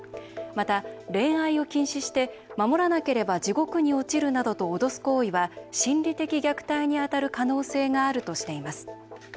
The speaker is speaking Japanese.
また、恋愛を禁止して守らなければ地獄に落ちるなどと脅す行為は心理的虐待にあたる可能性があるとしています。